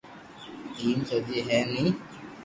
ايم سڄي ھي ني